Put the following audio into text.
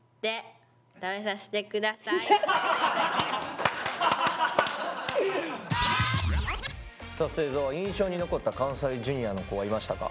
さあ末澤印象に残った関西Ｊｒ．の子はいましたか？